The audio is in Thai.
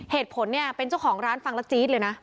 เหตุผลเนี่ยเป็นเจ้าของร้านฟังแล้วจี๊ดเลยนะ